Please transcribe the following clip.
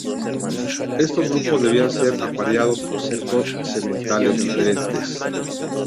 Estos grupos debían ser apareados por cinco sementales diferentes.